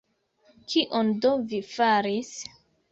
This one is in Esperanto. Kion do vi faris?